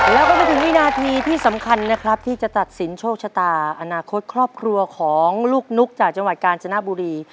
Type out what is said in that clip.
แล้วก็มาถึงวินาทีที่สำคัญนะครับที่จะตัดสินโชคชะตาอนาคตครอบครัวของลูกนุ๊กจากจังหวัดกาญจนบุรี